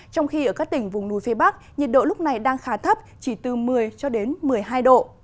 trong khi ở các tỉnh vùng núi phía bắc nhiệt độ lúc này đang khá thấp chỉ từ một mươi cho đến một mươi hai độ